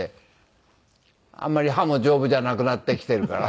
あんまり歯も丈夫じゃなくなってきてるから。